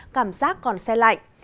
cảm giác còn xe lạnh